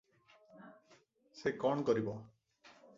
ସେ କଣ କରିବ?